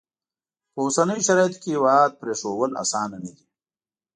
په اوسنیو شرایطو کې هیواد پرېښوول اسانه نه دي.